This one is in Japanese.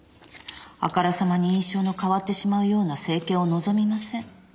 あからさまに印象の変わってしまうような整形を望みません。